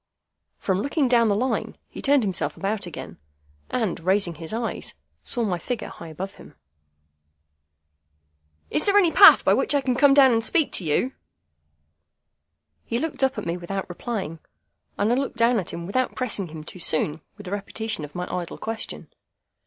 From looking down the Line, he turned himself about again, and, raising his eyes, saw my figure high above him. "Is there any path by which I can come down and speak to you?" He looked up at me without replying, and I looked down at him without pressing him too soon with a repetition of my idle question.